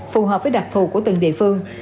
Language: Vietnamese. phù hợp với đặc thù của từng địa phương